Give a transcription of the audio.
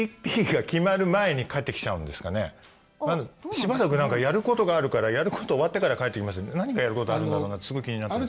しばらく何かやることがあるからやること終わってから帰ってきますって何がやることあるんだろうなってすごい気になってるんですけど。